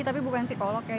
tapi bukan psikolog ya